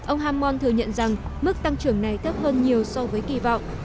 ông hammon thừa nhận rằng mức tăng trưởng này thấp hơn nhiều so với kỳ vọng